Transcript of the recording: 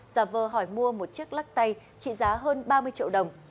giả vờ hỏi mua một chiếc lắc tay trị giá hơn ba mươi triệu đồng